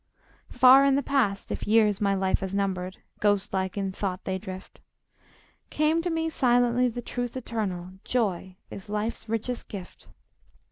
Far in the past (if years my life has numbered, Ghost like in thought they drift), Came to me silently the truth eternal Joy is life's richest gift.